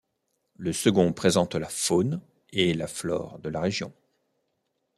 Le second présente la faune et la flore de la région.